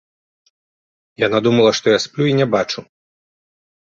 Яна думала, што я сплю і не бачу.